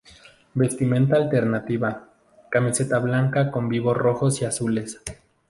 Vestimenta Alternativa: Camiseta blanca con vivos rojos y azules.